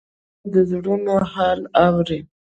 غوږونه د زړونو حال اوري